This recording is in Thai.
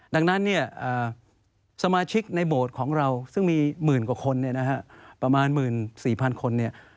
ดังนั้นสมาชิกในโบสถ์ของเราซึ่งมีหมื่นกว่าคนประมาณหมื่นสี่พันคน